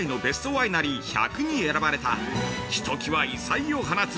ワイナリー１００に選ばれた一際異彩を放つ！